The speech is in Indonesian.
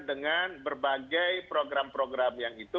dengan berbagai program program yang itu